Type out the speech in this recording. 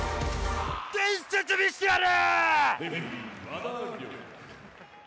伝説見してやる！